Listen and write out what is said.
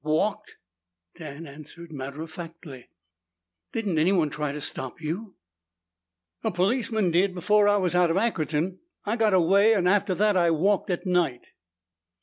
"Walked," Dan answered matter of factly. "Didn't anyone try to stop you?" "A policeman did before I was out of Ackerton. I got away, and after that I walked at night."